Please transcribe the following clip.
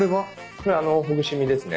それほぐし身ですね。